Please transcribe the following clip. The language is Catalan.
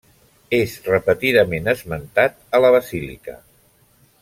És repetidament esmentat a la Basílica.